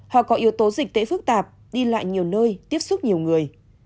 họ có yếu tố dịch tễ phức tạp đi lại nhiều nơi tiếp xúc nhiều người